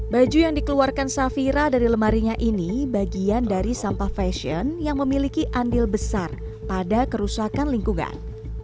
baju yang dikeluarkan safira dari lemarinya ini bagian dari sampah fashion yang memiliki andil besar pada kerusakan lingkungan